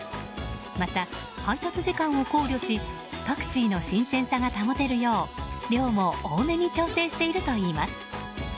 また、配達時間を考慮しパクチーの新鮮さが保てるよう量も多めに調整しているといいます。